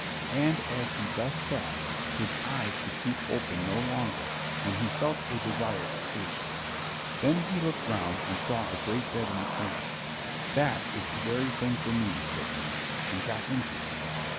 And as he thus sat, his eyes would keep open no longer, and he felt a desire to sleep. Then he looked round and saw a great bed in the corner. "That is the very thing for me," said he, and got into it.